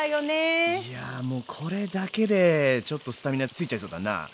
いやもうこれだけでちょっとスタミナついちゃいそうだな。